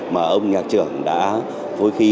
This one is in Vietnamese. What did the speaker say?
mà ông nhạc trưởng đã phối khí